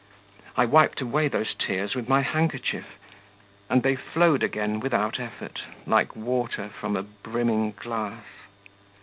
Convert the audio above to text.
I wiped away those tears with my handkerchief, and they flowed again without effort, like water from a brimming glass.